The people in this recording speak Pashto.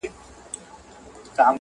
یوه ځانګړې مننه وکړم